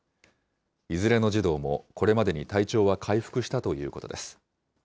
いずれの児童もこれまでに体調は回復したということです。